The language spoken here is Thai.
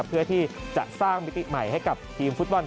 เพื่อที่จะสร้างมิติใหม่ให้กับทีมฟุตบอล